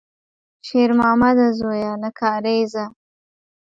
شېرمامده زویه، له کارېزه!